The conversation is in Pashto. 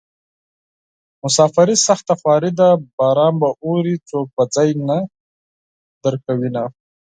مساپري سخته خواري ده باران به اوري څوک به ځای نه ورکوينه